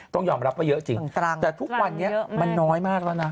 ต้องยอมรับว่าเยอะจริงแต่ทุกวันนี้มันน้อยมากแล้วนะ